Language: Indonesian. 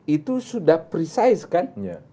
itu sudah precise kan